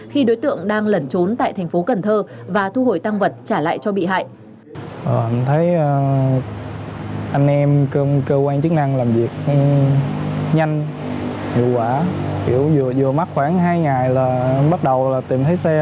khi đối tượng đang lẩn trốn tại thành phố cần thơ và thu hồi tăng vật trả lại cho bị hại